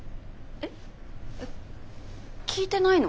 えっ聞いてないの？